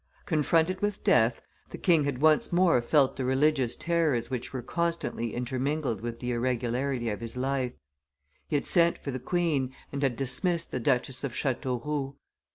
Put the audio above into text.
Confronted with death, the king had once more felt the religious terrors which were constantly intermingled with the irregularity of his life; he had sent for the queen, and had dismissed the Duchess of Chateauroux.